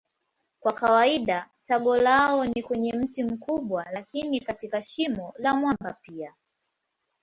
Kwa kawaida tago lao ni kwenye mti mkubwa lakini katika shimo la mwamba pia.